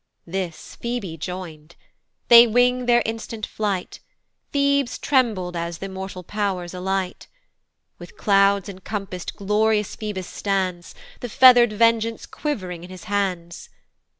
This Phoebe join'd. They wing their instant flight; Thebes trembled as th' immortal pow'rs alight. With clouds incompass'd glorious Phoebus stands; The feather'd vengeance quiv'ring in his hands.